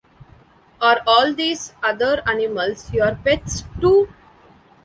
Are all these other animals your pets, too?